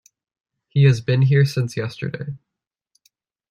He has been here since yesterday.